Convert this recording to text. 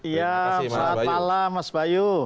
ya selamat malam mas bayu